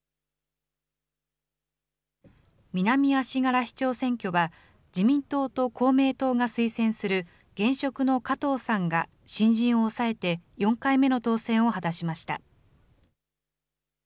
南足柄市長選挙は、自民党と公明党が推薦する現職の加藤さんが新人を抑えて４回目の当選を果たしました。